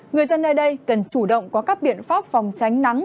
người dân nơi đây cần chủ động có các biện pháp phòng tránh nắng